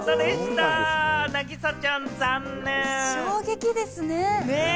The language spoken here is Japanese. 衝撃ですね。